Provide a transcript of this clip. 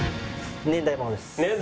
年代物です。